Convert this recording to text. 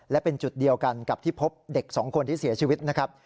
และเป็นจุดเดียวกันกับที่พบเด็ก๒คนที่เสียชีวิตนะครับ